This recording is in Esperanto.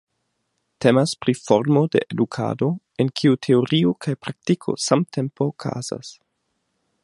Temas pri formo de edukado en kiu teorio kaj praktiko samtempe okazas.